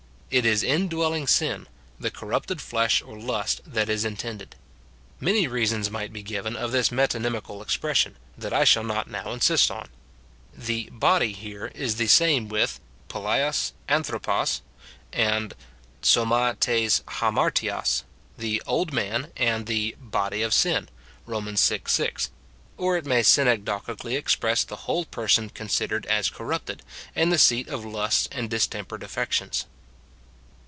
It is indwelling sin, the corrupted flesh or lust, that is intended. Many reasons might be given of this metonymical expression, that I shall not now insist on. The "body" here is the same with "jraXaio; avfJpwTroj, and ffufjLa t^s afi apTiocg, the " old man," and the " body of sin," Rom. vi. 6 ; or it may synecdochically express the whole person considered as corrupted, and the seat of lusts and distempered afi'ections.